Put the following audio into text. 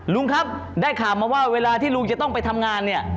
ลุงครับได้ข่าวมาว่าเวลาที่ลุงจะต้องไปทำงานเนี่ย